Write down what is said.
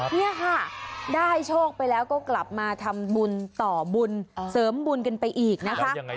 นี่ค่ะได้โชคไปแล้วก็กลับมาทำบุญต่อบุญเสริมบุญกันไปอีกนะคะ